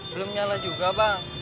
belum nyala juga bang